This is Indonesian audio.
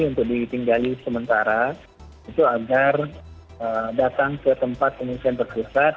untuk ditinggali sementara itu agar datang ke tempat pengungsian terpusat